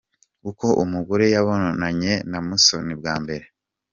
Uko umugore yabonanye na Musoni bwa mbere